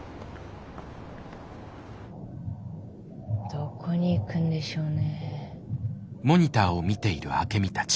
どこに行くんでしょうね。